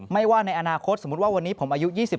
ว่าในอนาคตสมมุติว่าวันนี้ผมอายุ๒๓